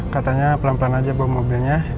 katanya pelan pelan aja bawa mobilnya